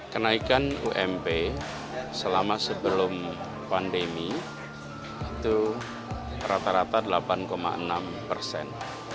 kenaikan ump selama sebelum pandemi itu rata rata delapan enam persen